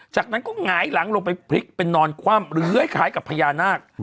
จากนั้นก็หงายหลังลงไปพลิกเป็นนอนคว่ำเลื้อยคล้ายกับพญานาค